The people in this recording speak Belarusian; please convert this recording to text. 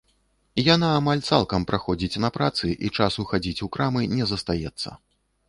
Яна амаль цалкам праходзіць на працы, і часу хадзіць у крамы не застаецца.